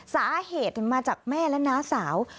สาเหตุมาจากแม่และน้าสาว